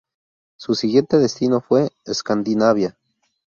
Su siguiente destino fue Escandinavia.